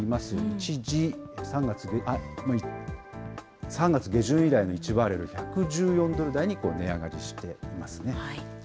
一時、３月下旬以来の１バレル１１４ドル台に値上がりしていますね。